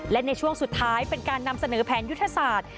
และในช่วงสุดท้ายเป็นการนำเสนอแผนยุทธศาสตร์